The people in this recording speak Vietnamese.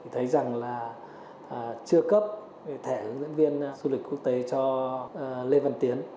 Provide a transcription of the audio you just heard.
thấy rằng là chưa cấp thẻ hướng dẫn viên du lịch quốc tế cho lê văn tiến